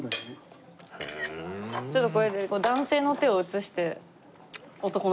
ちょっとこれ。